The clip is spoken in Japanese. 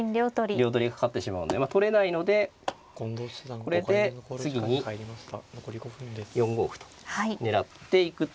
両取りがかかってしまうんで取れないのでこれで次に４五歩と狙っていくと。